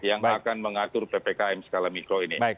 yang akan mengatur ppkm skala mikro ini